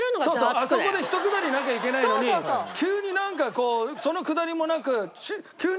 あそこでひとくだりなきゃいけないのに急になんかそのくだりもなく。